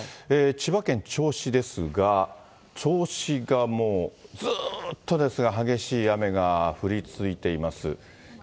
千葉県銚子ですが、銚子がもう、ずーっとですが、激しい雨が降り続いています。